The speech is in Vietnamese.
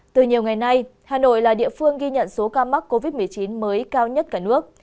từ nhiều ngày nay hà nội là địa phương ghi nhận số ca mắc covid một mươi chín mới cao nhất cả nước